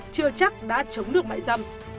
chưa chắc đã chống được mại dâm